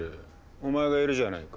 お前がいるじゃないか。